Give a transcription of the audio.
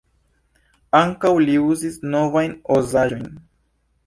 Ankaŭ li uzis "novajn" Oz-aĵojn.